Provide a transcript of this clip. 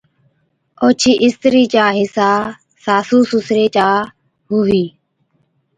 اوڇِي استرِي چا حصا ساسُو سُسري چا ھُوھِي